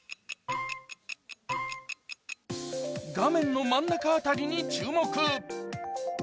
画面の真ん中辺りに注目！